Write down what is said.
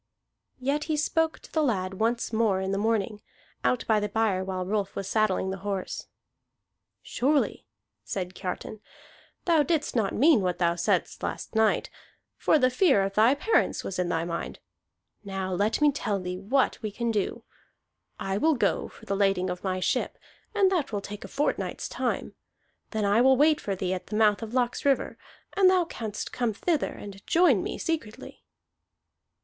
Yet he spoke to the lad once more in the morning, out by the byre while Rolf was saddling the horse. "Surely," said Kiartan, "thou didst not mean what thou saidst last night, for the fear of thy parents was in thy mind. Now let me tell thee what we can do. I will go on for the lading of my ship, and that will take a fortnight's time. Then I will wait for thee at the mouth of Laxriver, and thou canst come thither and join me secretly."